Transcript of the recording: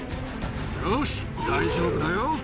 よし大丈夫だよ。